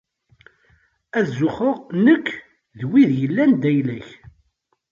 Ad zuxxeɣ nekk d wid yellan d ayla-k.